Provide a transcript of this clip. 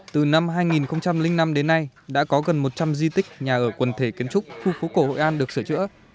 từ năm hai nghìn năm đến nay đã có gần một trăm linh di tích nhà ở quần thể kiến trúc khu phố cổ hội an được sửa chữa